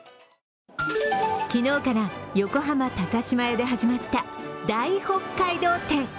昨日から横浜高島屋で始まった大北海道展。